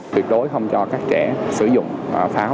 tuyệt đối không cho các trẻ sử dụng pháo